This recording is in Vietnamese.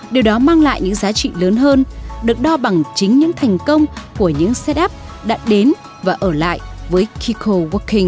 điều đó mang lại những giá trị lớn hơn được đo bằng chính những thành công của những setup đã đến và ở lại với kiko working